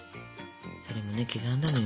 それもね刻んだのよ